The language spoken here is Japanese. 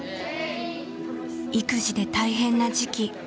育児で大変な時期。